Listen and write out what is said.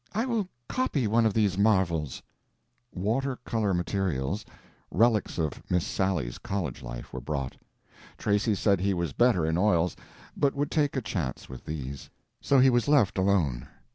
I will copy one of these marvels." Water color materials—relics of Miss Sally's college life—were brought. Tracy said he was better in oils, but would take a chance with these. So he was left alone.